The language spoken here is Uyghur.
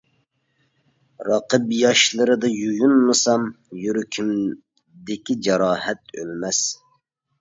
رەقىب ياشلىرىدا يۇيۇنمىسام يۈرىكىمدىكى جاراھەت ئۆلمەس.